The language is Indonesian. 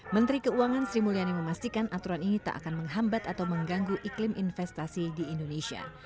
menteri keuangan sri mulyani memastikan aturan ini tak akan menghambat atau mengganggu iklim investasi di indonesia